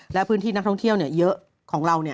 และพื้นที่นักท่องเที่ยวเยอะของเรา